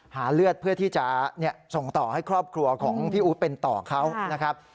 หาเลือดเพื่อที่จะส่งต่อให้ครอบครัวของพี่อู๋เป็นต่อเขานะครับ